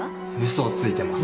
嘘をついてます。